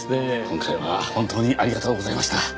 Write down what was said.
今回は本当にありがとうございました。